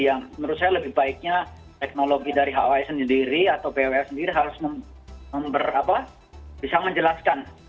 yang menurut saya lebih baiknya teknologi dari hoi sendiri atau pus sendiri harus bisa menjelaskan